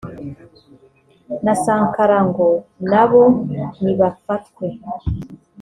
na Sankara ngo nabo nibafatwe